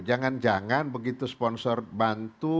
jangan jangan begitu sponsor bantu